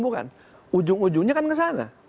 ujung ujungnya kan kesana